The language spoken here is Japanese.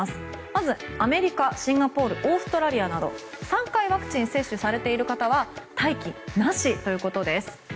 まずアメリカ、シンガポールオーストラリアなど３回ワクチン接種されている方は待機なしということです。